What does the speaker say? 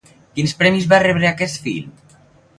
Quins premis va rebre aquest film?